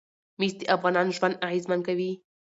مس د افغانانو ژوند اغېزمن کوي.